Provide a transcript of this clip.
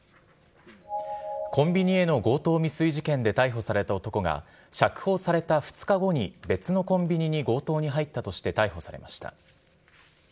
コンビニへの強盗未遂事件で逮捕された男が、釈放された２日後に、別のコンビニに強盗に入ったとして逮捕されました。